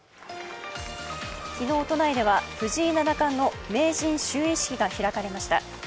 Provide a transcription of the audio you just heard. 昨日、都内では藤井七冠の名人就位式が開かれました。